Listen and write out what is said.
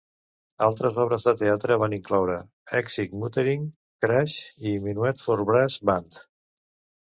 Altres obres de teatre van incloure "Exit Muttering", "Crash" i "Minuet for Brass Band".